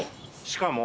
しかも。